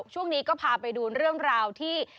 ช่วงนี้ก็พาไปดูเรื่องราวที่